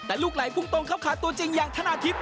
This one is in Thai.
แต่ลูกไหลพุ่งตรงเข้าขาตัวจริงอย่างธนาทิพย